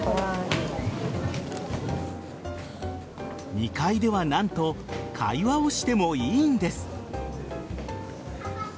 ２階では何と会話をしてもいいんです。